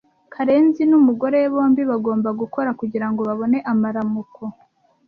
Karenzi n'umugore we bombi bagomba gukora kugirango babone amaramuko.